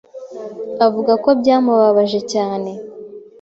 Avuga ko byamubabaje cyane